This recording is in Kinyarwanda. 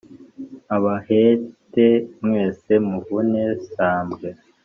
Abahete mwese muvune sambwe